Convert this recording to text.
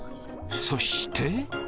そして。